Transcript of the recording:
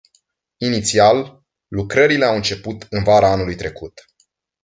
Inițial, lucrările au început în vara anului trecut.